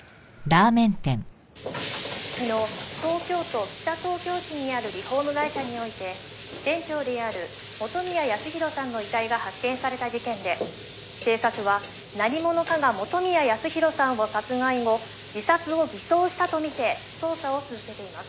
「昨日東京都北東京市にあるリフォーム会社において店長である元宮康宏さんの遺体が発見された事件で警察は何者かが元宮康宏さんを殺害後自殺を偽装したと見て捜査を続けています」